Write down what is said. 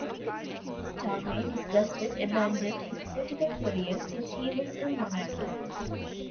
Taunay, disgusted, abandoned his political career, since he was a monarchist.